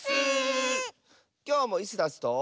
きょうもイスダスと。